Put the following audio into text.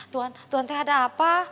tuhan tuhan teh ada apa